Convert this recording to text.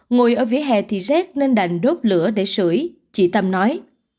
ngồi ở vỉa hè thì rét nên đành đốt lửa để sửi chị tâm nói